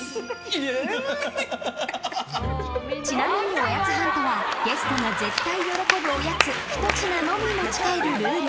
ちなみに、おやつハントはゲストが絶対喜ぶおやつひと品のみ持ち帰るルール。